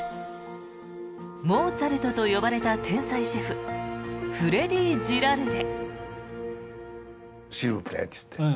モーツァルトと呼ばれた天才シェフフレディ・ジラルデ。